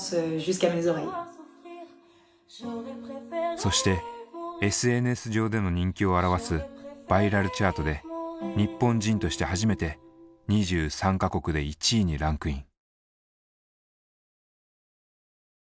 そしてＳＮＳ上での人気を表す「バイラルチャート」で日本人として初めて２３か国で１位にランクイン。